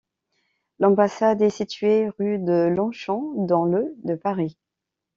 L'ambassade est située rue de Longchamp dans le de Paris.